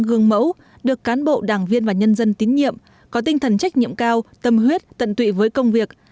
gương mẫu được cán bộ đảng viên và nhân dân tín nhiệm có tinh thần trách nhiệm cao tâm huyết tận tụy với công việc